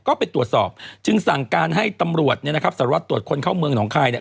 ก็ไปตรวจสอบจึงสั่งการให้ตำรวจเนี่ยนะครับสารวัตรตรวจคนเข้าเมืองหนองคายเนี่ย